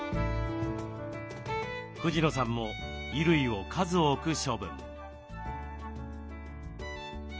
藤野さんも衣類を数多く処分。